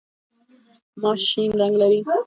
ماش شین رنګ لري.